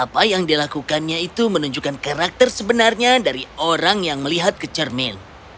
kau tidak tahu apa yang menunjukkan bagian dari diri yang memiliki cermin